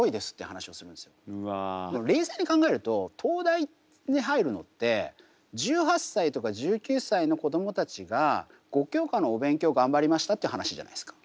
冷静に考えると東大に入るのって１８歳とか１９歳の子どもたちが５教科のお勉強頑張りましたって話じゃないですか。